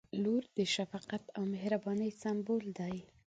• لور د شفقت او مهربانۍ سمبول دی.